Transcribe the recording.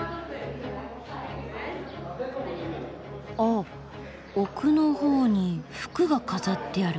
お奥の方に服が飾ってある。